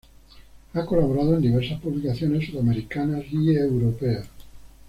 Ha colaborado en diversas publicaciones sudamericanas y europeas.